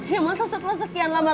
ya masa setelah sekian lama